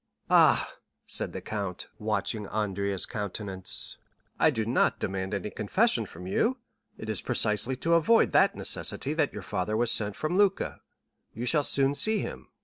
Ah," said the count, watching Andrea's countenance, "I do not demand any confession from you; it is precisely to avoid that necessity that your father was sent for from Lucca. You shall soon see him.